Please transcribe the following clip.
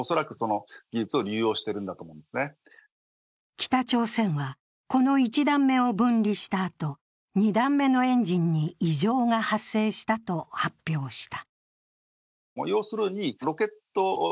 北朝鮮は、この１段目を分離したあと、２段目のエンジンに異常が発生したと発表した。